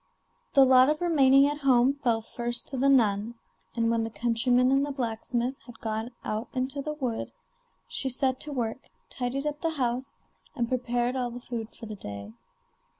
The lot of remaining at home fell first to the nun, and when the countryman and the blacksmith had gone out into the wood, she set to work, tidied up the house, and prepared all the food for the day.